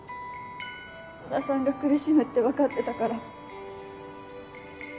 野田さんが苦しむって分かってたから。